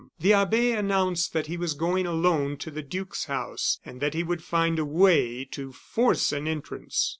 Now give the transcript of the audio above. The abbe announced that he was going alone to the duke's house, and that he would find a way to force an entrance.